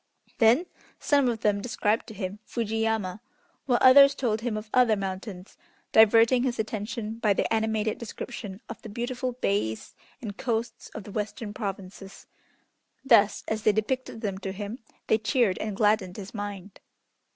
Then some of them described to him Fuji Yama, while others told him of other mountains, diverting his attention by their animated description of the beautiful bays and coasts of the Western Provinces; thus as they depicted them to him, they cheered and gladdened his mind.